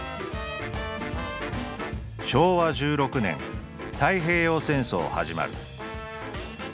「昭和１６年太平洋戦争始まる」。